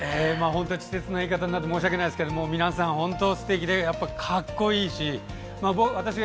稚拙な言い方になって申し訳ないですけど皆さん本当すてきで格好いいし。